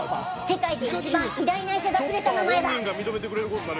世界でいちばん偉大な医者がくれた名前だ」。